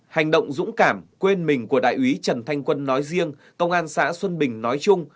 hành động dũng cảm quên mình của đại úy trần thanh quân nói riêng công an xã xuân bình nói chung